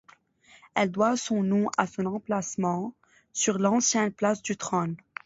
Elle doit son nom à son emplacement sur l'ancienne place du Trône.